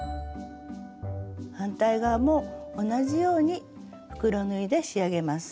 反対側も同じように袋縫いで仕上げます。